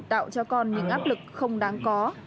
tạo cho con những áp lực không đáng có